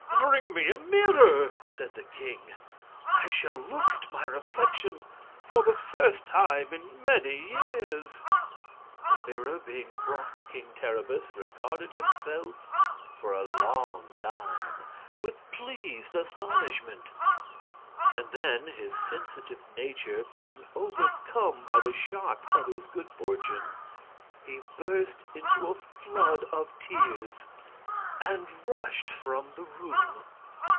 "Bring me a mirror!" said the king. "I shall look at my reflection for the first time in many years." The mirror being brought King Terribus regarded himself for a long time with pleased astonishment; and then, his sensitive nature being overcome by the shock of his good fortune, he burst into a flood of tears and rushed from the room.